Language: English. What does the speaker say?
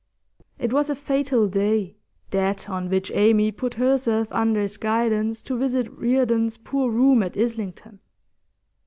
It was a fatal day, that on which Amy put herself under his guidance to visit Reardon's poor room at Islington.